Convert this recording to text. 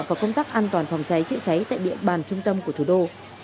vào công tác an toàn phòng cháy chạy cháy tại địa bàn trung tâm của thủ đô